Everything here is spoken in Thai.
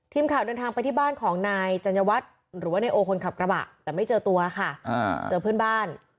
ทีมข่าวเดินทางไปที่บ้านของนายจัญวัฒน์หรือว่านายโอคนขับกระบะแต่ไม่เจอตัวค่ะเจอเพื่อนบ้าน